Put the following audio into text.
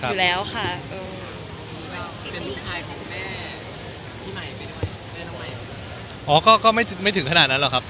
เป็นนิกพายคุณแม่ไม่ถึงขนาดนั้นเหรอครับ